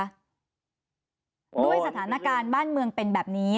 ด้วยสถานการณ์บ้านเมืองเป็นแบบนี้